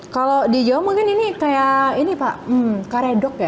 kalau di jawa mungkin ini kayak ini pak karedok ya